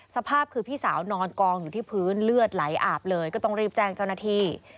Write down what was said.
สภาพคือพี่สาวนอนกองอยู่ที่พื้นเลือดไหลอาบเลยก็ต้องรีบแจ้งเจ้าหน้าที่